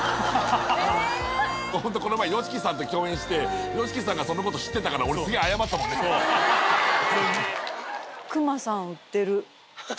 本当、この前、ＹＯＳＨＩＫＩさんと共演して、ＹＯＳＨＩＫＩさんがそのこと知ってたから、俺、クマさん、売ってる。